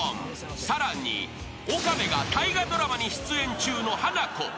［さらに岡部が大河ドラマに出演中のハナコ］